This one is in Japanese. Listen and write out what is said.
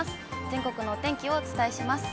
全国のお天気をお伝えします。